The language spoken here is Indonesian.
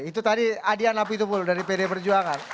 itu tadi adian api itu pun dari pd perjuangan